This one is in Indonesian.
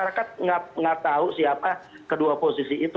karena kan masyarakat nggak tahu siapa kedua posisi itu